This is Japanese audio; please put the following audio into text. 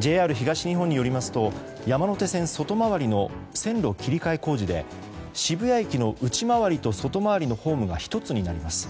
ＪＲ東日本によりますと山手線外回りの線路切り替え工事で、渋谷駅の内回りと外回りのホームが１つになります。